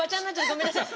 ごめんなさい。